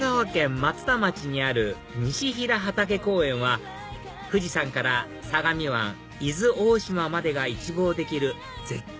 松田町にある西平畑公園は富士山から相模湾伊豆大島までが一望できる絶景